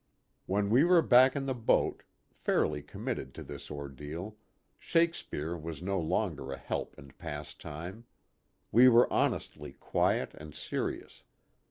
When we were back in the boat fairly com mitted to this ordeal Shakespeare was no longer a help and pastime. We were honestly quiet and serious.